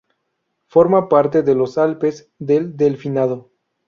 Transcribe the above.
Forma parte de los Alpes del Delfinado.